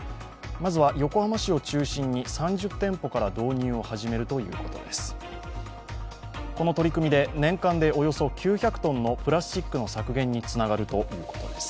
まずは、横浜市を中心に３０店舗から導入を始めるということです。